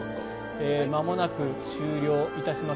まもなく終了いたします。